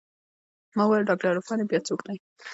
ما وويل ډاکتر عرفان يې بيا څوک دى.